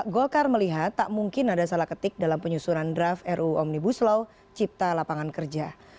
golkar melihat tak mungkin ada salah ketik dalam penyusunan draft ruu omnibus law cipta lapangan kerja